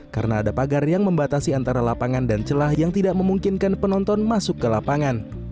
karena ada pagar yang membatasi antara lapangan dan celah yang tidak memungkinkan penonton masuk ke lapangan